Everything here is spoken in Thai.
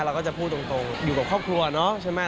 เราก็จะพูดตรงอยู่กับครอบครัวเนาะใช่ไหม